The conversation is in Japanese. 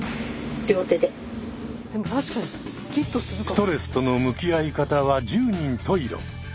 ストレスとの向き合い方は十人十色。